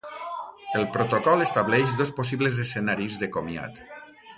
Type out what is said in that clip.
El protocol estableix dos possibles escenaris de comiat.